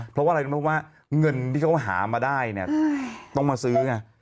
เพราะว่าเงินที่เขาหามาได้ต้องมาซื้อ